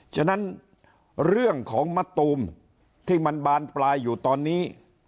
ฉะนั้นเรื่องของมะตูมที่มันบานปลายอยู่ตอนนี้